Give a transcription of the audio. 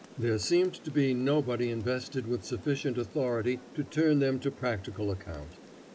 There seemed to be nobody invested with sufficient authority to turn them to practical account.